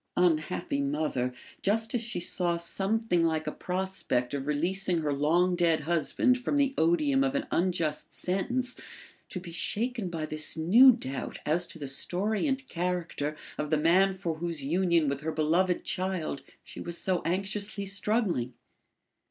Unhappy mother, just as she saw something like a prospect of releasing her long dead husband from the odium of an unjust sentence, to be shaken by this new doubt as to the story and character of the man for whose union with her beloved child she was so anxiously struggling!